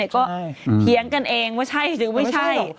ก็เถียงกันเองว่าใช่หรือไม่ใช่